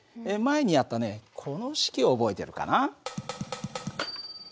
前にやったねこの式を覚えてるかな。